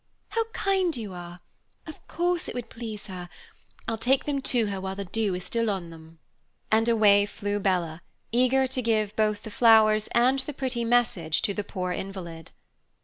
"How kind you are! Of course it would please her. I'll take them to her while the dew is still on them." And away flew Bella, eager to give both the flowers and the pretty message to the poor invalid.